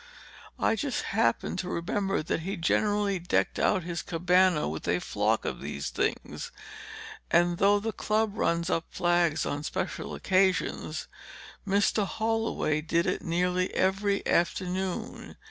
"I just happened to remember that he generally decked out his cabana with a flock of these things. And though the club runs up flags on special occasions, Mr. Holloway did it nearly every afternoon.